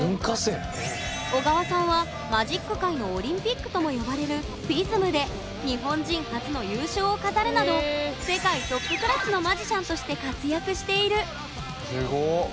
緒川さんはマジック界のオリンピックとも呼ばれるＦＩＳＭで日本人初の優勝を飾るなど世界トップクラスのマジシャンとして活躍している。